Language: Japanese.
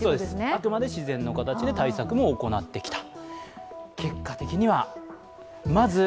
あくまで自然の形で対策も行ってきた。